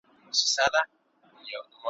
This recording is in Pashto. هغه بېغمه له مرګه ژونده `